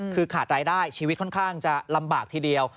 คือขาดรายได้ชีวิตค่อนข้างจะลำบากทีเดียว